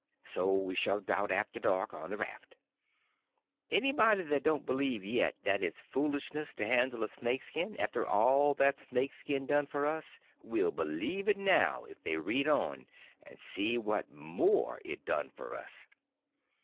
So we shoved out after dark on the raft. Anybody that don't believe yet that it's foolishness to handle a snake skin, after all that that snake skin done for us, will believe it now if they read on and see what more it done for us.